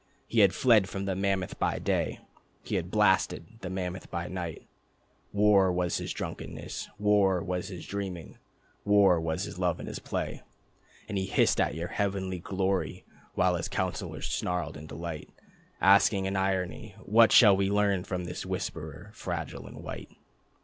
He had fled from the mammoth by day, He had blasted the mammoth by night, War was his drunkenness, War was his dreaming, War was his love and his play. And he hissed at your heavenly glory While his councillors snarled in delight, Asking in irony: "What shall we learn From this whisperer, fragile and white?"